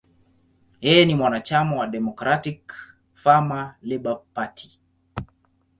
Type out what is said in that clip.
Yeye ni mwanachama wa Democratic–Farmer–Labor Party.